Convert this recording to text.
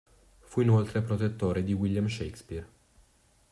Fu inoltre protettore di William Shakespeare.